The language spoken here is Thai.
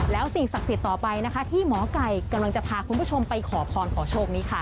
แล้วสิ่งศักดิ์สิทธิ์ต่อไปนะคะที่หมอไก่กำลังจะพาคุณผู้ชมไปขอพรขอโชคนี้ค่ะ